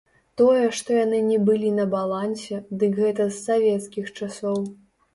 Тое, што яны не былі на балансе, дык гэта з савецкіх часоў.